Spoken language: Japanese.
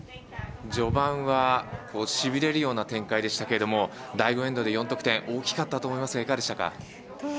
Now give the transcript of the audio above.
序盤はしびれるような展開でしたけれども第５エンドで４得点大きかったと思いますがいかがでしたか？